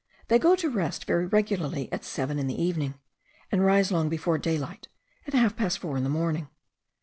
They go to rest very regularly at seven in the evening, and rise long before daylight, at half past four in the morning.